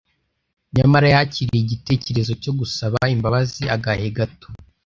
Nyamara yakiriye igitekerezo cyo gusaba imbabazi agahe gato.